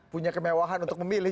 punya kemewahan untuk memilih